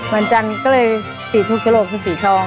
วันจันทร์ก็เลยสีถูกฉลกเป็นสีทอง